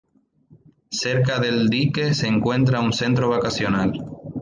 Cerca del dique se encuentra un centro vacacional.